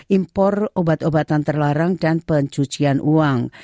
impor obat obatan terlarang dan pencucian uang